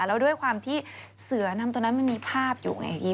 แล้วด้วยความที่เสือนำตัวนั้นมันมีภาพอยู่ไงพี่